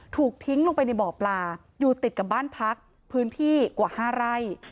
ถูกทิ้งลงไปในบ่อปลาอยู่ติดกับบ้านพักพื้นที่กว่า๕ไร่